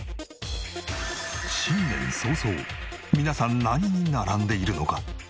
新年早々皆さん何に並んでいるのか？